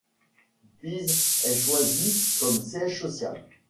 Pise est choisi comme siège social.